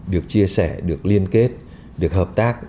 được chia sẻ được liên kết được hợp tác